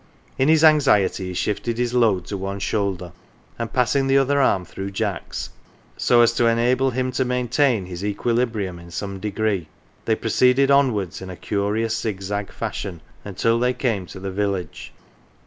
In his anxiety he shifted his load to one shoulder, and passing the other arm through Jack's so as to enable him to maintain his equilibrium in some degree, they proceeded onwards in a curious zig zag fashion until they came to the village.